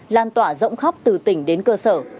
lan tỏa rộng khắp từ tỉnh đến cơ sở